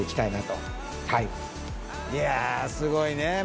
いやすごいね。